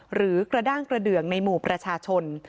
หรือกระด้างกระเดืองในหมู่ประชาชน